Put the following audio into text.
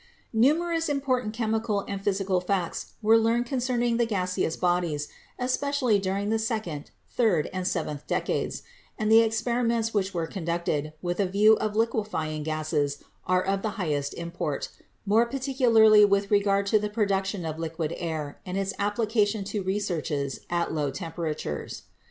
Numerous important chemical and physical facts were learned concerning the gaseous bodies, especially during the second, third and seventh decades, and the experiments which were conducted with a view of liquefying gases are of the highest import, more particularly with regard to the production of liquid air and its application to re searches at low temperatures.